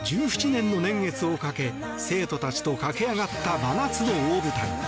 １７年の年月をかけ生徒たちと駆け上がった真夏の大舞台。